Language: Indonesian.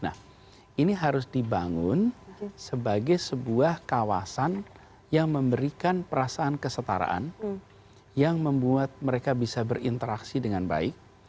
nah ini harus dibangun sebagai sebuah kawasan yang memberikan perasaan kesetaraan yang membuat mereka bisa berinteraksi dengan baik